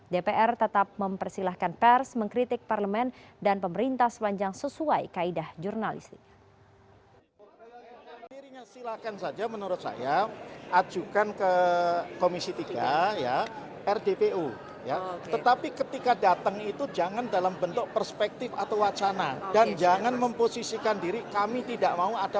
dpr tetap mempersilahkan pers mengkritik parlemen dan pemerintah selanjang sesuai kaedah jurnalistik